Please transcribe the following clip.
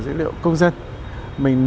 dữ liệu phải đúng đủ sạch sống